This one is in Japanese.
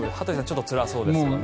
ちょっとつらそうですね。